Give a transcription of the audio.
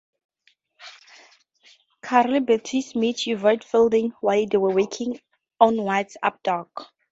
Karl Beattie met Yvette Fielding while they were working on What's Up Doc?